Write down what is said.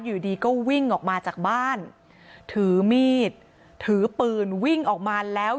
อยู่ดีก็วิ่งออกมาจากบ้านถือมีดถือปืนวิ่งออกมาแล้ว